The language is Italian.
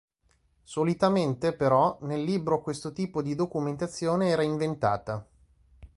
Solitamente, però, nel libro questo tipo di "documentazione" era inventata.